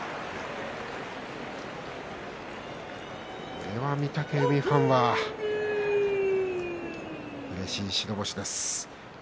これは御嶽海ファンはうれしい白星です。